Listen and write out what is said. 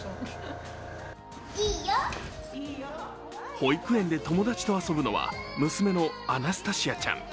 保育園で友達と遊ぶのは娘のアナスタシアちゃん。